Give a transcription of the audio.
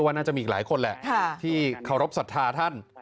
น่าจะมีอีกหลายคนแหละที่เคารพสัทธาท่าน